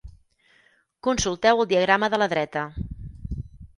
Consulteu el diagrama de la dreta.